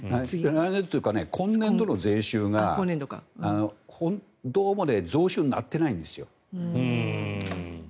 来年というか今年度の税収がどうも増収になっていないんですよ。